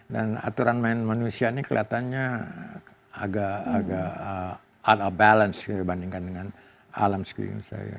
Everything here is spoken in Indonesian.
dan aturan main manusia ini kelihatannya agak out of balance dibandingkan dengan alam sekitar saya